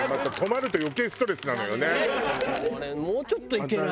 あれもうちょっといけない？